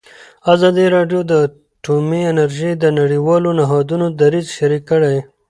ازادي راډیو د اټومي انرژي د نړیوالو نهادونو دریځ شریک کړی.